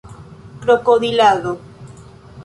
krokodilado